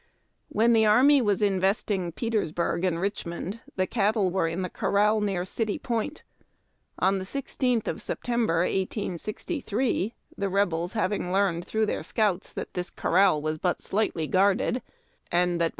When the army was investing Petersburg and Richmond, the cattle were in corral near City Point. On the l(3th of September, 1864, the Rebels having learned through their scouts that this corral was but slightly guarded, and that by SCATTERING SHOTS.